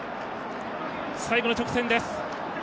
最後の直線です。